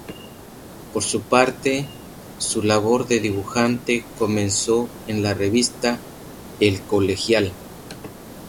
Por su parte, su labor de dibujante comenzó en la revista "El Colegial".